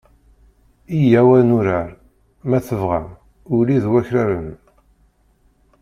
Iyyaw ad nurar, ma tebɣam, ulli d wakraren.